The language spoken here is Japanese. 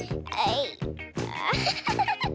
あアハハハハ。